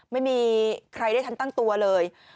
ไม่มีใครได้ทันตั้งตัวเลย